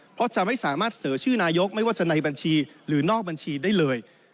เพราะจะไม่สามารถเสนอชื่อนายกไม่ว่าจะในบัญชีหรือนอกบัญชีได้เลย